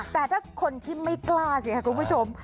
แต่ถ้าคนที่ไม่กล้าสิค่ะคุณผู้ชม